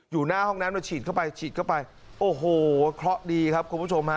อยู่หน้าห้องนั้นมาฉีดเข้าไปฉีดเข้าไปโอ้โหเคราะห์ดีครับคุณผู้ชมฮะ